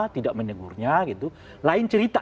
tidak menegurnya lain cerita